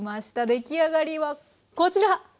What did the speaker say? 出来上がりはこちら！